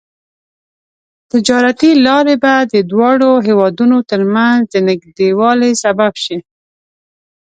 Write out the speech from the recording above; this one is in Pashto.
تجارتي لارې به د دواړو هېوادونو ترمنځ د نږدیوالي سبب شي.